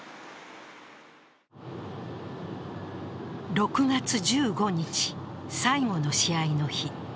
６月１５日、最後の試合の日。